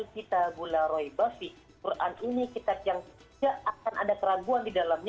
quran ini kita yang tidak akan ada keraguan di dalamnya